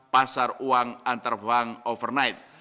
pasar uang antar bank overnight